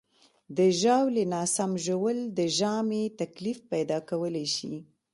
د ژاولې ناسم ژوول د ژامې تکلیف پیدا کولی شي.